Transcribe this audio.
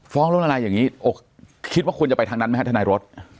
ฟ้องล้มละลายอย่างนี้คิดว่าควรจะไปทางนั้นไหมครับทนายรถ